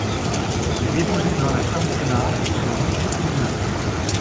Il évolue dans la Championnat de Russie féminin.